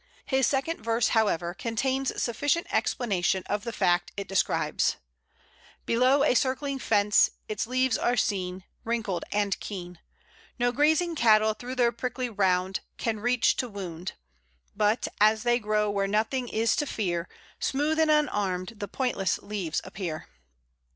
His second verse, however, contains sufficient explanation of the fact it describes: "Below, a circling fence, its leaves are seen Wrinkled and keen; No grazing cattle through their prickly round Can reach to wound; But, as they grow where nothing is to fear, Smooth and unarm'd the pointless leaves appear."